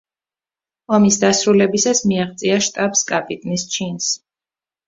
ომის დასრულებისას მიაღწია შტაბს-კაპიტნის ჩინს.